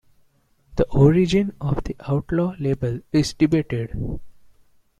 The origin of the outlaw label is debated.